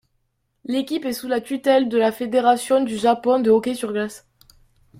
L'équipe est sous la tutelle de la Fédération du Japon de hockey sur glace.